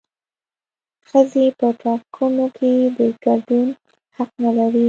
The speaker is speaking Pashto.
ښځې په ټاکنو کې د ګډون حق نه لري